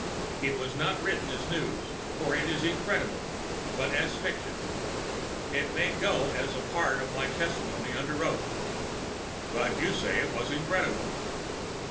It was not written as news, for it is incredible, but as fiction. It may go as a part of my testimony under oath." "But you say it is incredible."